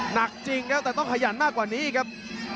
หนักจริงครับแต่ต้องขยันมากกว่านี้ครับ